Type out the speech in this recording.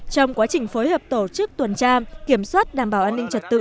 trong quá trình phối hợp tổ chức tuần tra kiểm soát đảm bảo an ninh trật tự